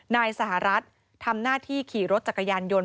นายสหรัฐทำหน้าที่ขี่รถจักรยานยนต์